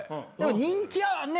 人気はね。